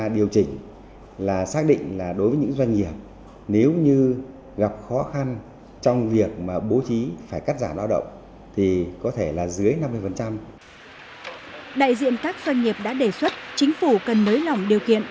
đại diện các doanh nghiệp đã đề xuất chính phủ cần mới lỏng điều kiện